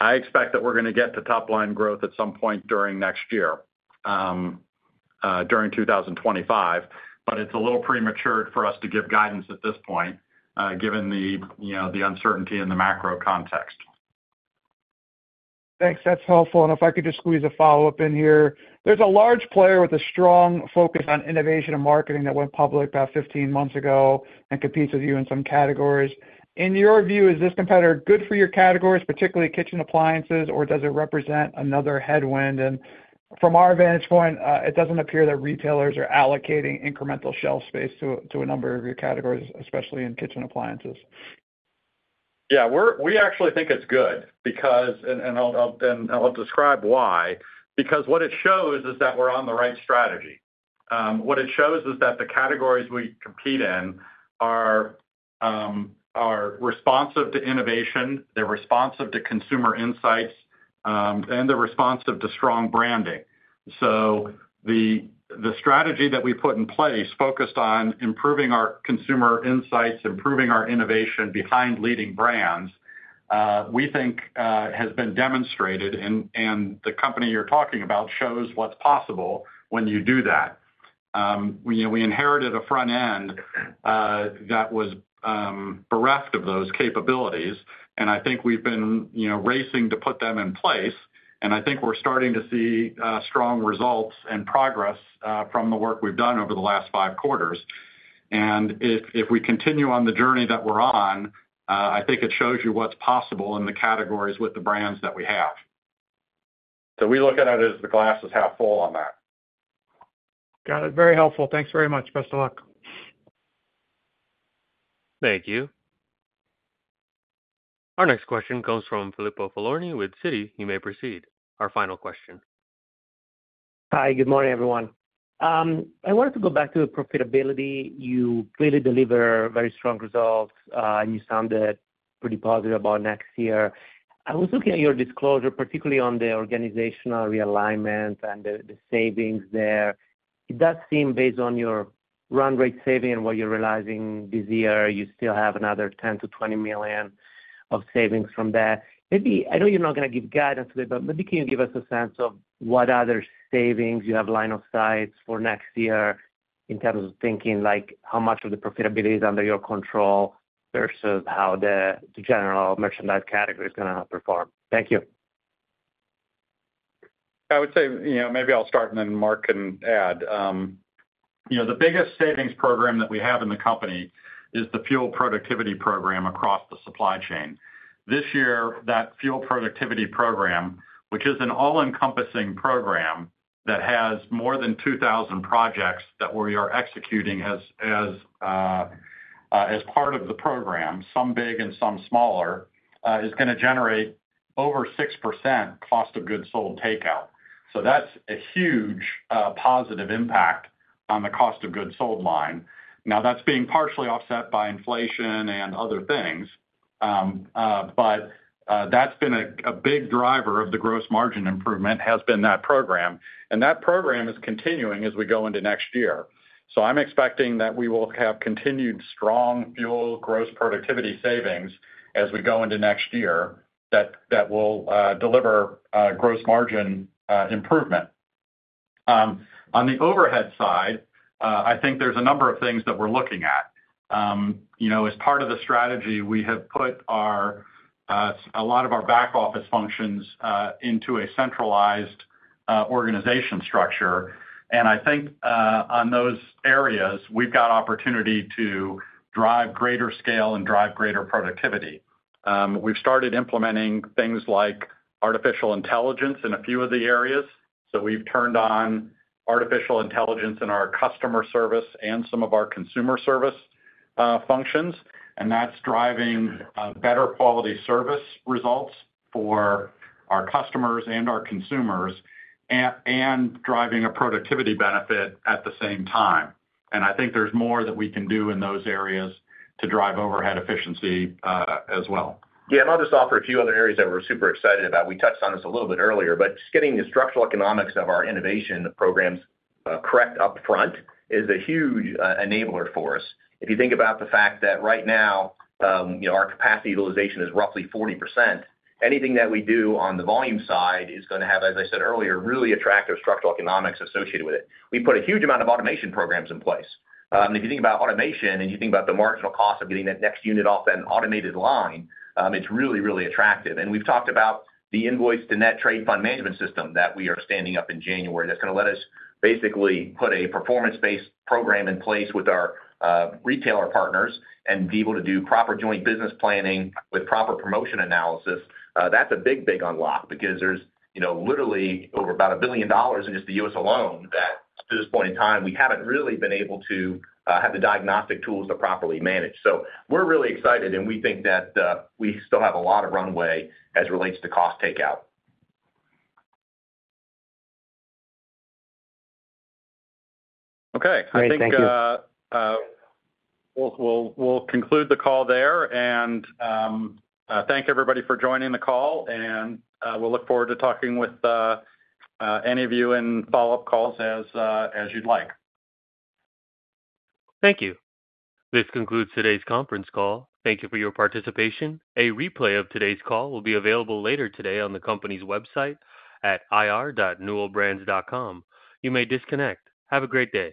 I expect that we're gonna get to top line growth at some point during next year, during 2025, but it's a little premature for us to give guidance at this point, given the, you know, the uncertainty in the macro context. Thanks. That's helpful. And if I could just squeeze a follow-up in here. There's a large player with a strong focus on innovation and marketing that went public about 15 months ago and competes with you in some categories. In your view, is this competitor good for your categories, particularly kitchen appliances, or does it represent another headwind? And from our vantage point, it doesn't appear that retailers are allocating incremental shelf space to a number of your categories, especially in kitchen appliances. Yeah, we actually think it's good because, and I'll describe why. Because what it shows is that we're on the right strategy. What it shows is that the categories we compete in are responsive to innovation, they're responsive to consumer insights, and they're responsive to strong branding. So the strategy that we put in place focused on improving our consumer insights, improving our innovation behind leading brands, we think, has been demonstrated, and the company you're talking about shows what's possible when you do that. We inherited a front end that was bereft of those capabilities, and I think we've been, you know, racing to put them in place, and I think we're starting to see strong results and progress from the work we've done over the last five quarters. And if we continue on the journey that we're on, I think it shows you what's possible in the categories with the brands that we have. So we look at it as the glass is half full on that. Got it. Very helpful. Thanks very much. Best of luck. Thank you. Our next question comes from Filippo Falorni with Citi. You may proceed. Our final question. Hi, good morning, everyone. I wanted to go back to profitability. You clearly deliver very strong results, and you sounded-... pretty positive about next year. I was looking at your disclosure, particularly on the organizational realignment and the savings there. It does seem, based on your run rate saving and what you're realizing this year, you still have another $10 million-$20 million of savings from that. Maybe. I know you're not gonna give guidance today, but maybe can you give us a sense of what other savings you have line of sight for next year in terms of thinking, like, how much of the profitability is under your control versus how the general merchandise category is gonna perform? Thank you. I would say, you know, maybe I'll start, and then Mark can add. You know, the biggest savings program that we have in the company is the fuel productivity program across the supply chain. This year, that fuel productivity program, which is an all-encompassing program that has more than two thousand projects that we are executing as part of the program, some big and some smaller, is gonna generate over 6% cost of goods sold takeout. So that's a huge positive impact on the cost of goods sold line. Now, that's being partially offset by inflation and other things, but that's been a big driver of the gross margin improvement, has been that program, and that program is continuing as we go into next year. So I'm expecting that we will have continued strong full gross productivity savings as we go into next year, that will deliver gross margin improvement. On the overhead side, I think there's a number of things that we're looking at. You know, as part of the strategy, we have put a lot of our back office functions into a centralized organizational structure, and I think on those areas, we've got opportunity to drive greater scale and drive greater productivity. We've started implementing things like artificial intelligence in a few of the areas. So we've turned on artificial intelligence in our customer service and some of our consumer service functions, and that's driving better quality service results for our customers and our consumers, and driving a productivity benefit at the same time. And I think there's more that we can do in those areas to drive overhead efficiency, as well. Yeah, and I'll just offer a few other areas that we're super excited about. We touched on this a little bit earlier, but just getting the structural economics of our innovation programs correct up front is a huge enabler for us. If you think about the fact that right now, you know, our capacity utilization is roughly 40%, anything that we do on the volume side is gonna have, as I said earlier, really attractive structural economics associated with it. We put a huge amount of automation programs in place. And if you think about automation, and you think about the marginal cost of getting that next unit off that automated line, it's really, really attractive. And we've talked about the invoice to net trade fund management system that we are standing up in January. That's gonna let us basically put a performance-based program in place with our retailer partners and be able to do proper joint business planning with proper promotion analysis. That's a big, big unlock because there's, you know, literally over about $1 billion in just the U.S. alone that, to this point in time, we haven't really been able to have the diagnostic tools to properly manage. So we're really excited, and we think that we still have a lot of runway as it relates to cost takeout. Okay. Great. Thank you. I think we'll conclude the call there, and thank everybody for joining the call, and we'll look forward to talking with any of you in follow-up calls as you'd like. Thank you. This concludes today's conference call. Thank you for your participation. A replay of today's call will be available later today on the company's website at ir.newellbrands.com. You may disconnect. Have a great day.